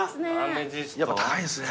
やっぱ高いんすね。